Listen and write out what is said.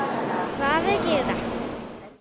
バーベキューだ。